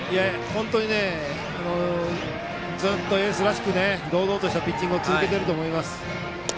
本当にずっとエースらしく堂々としたピッチングを続けていると思います。